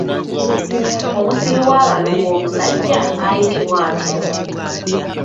Omusibi w’abalongo omusajja ayitibwa atya?